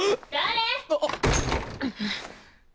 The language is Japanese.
誰？